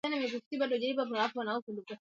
Leo kuna tamasha la kuchangia sentensi